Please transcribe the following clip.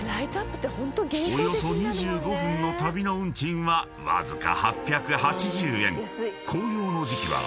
［およそ２５分の旅の運賃はわずか］